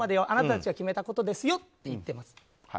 あなたたちが決めたことですよって言っています。